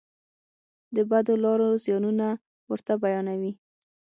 د بدو لارو زیانونه ورته بیانوي.